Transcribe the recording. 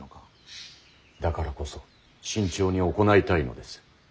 だからこそ慎重に行いたいのです。